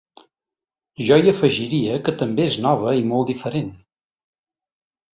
Jo hi afegiria que també és nova i molt diferent.